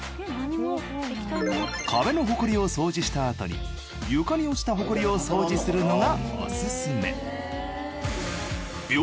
壁のホコリを掃除したあとに床に落ちたホコリを掃除するのがオススメ